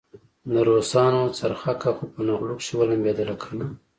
د روسانو څرخکه خو په نغلو کې ولمبېدله کنه.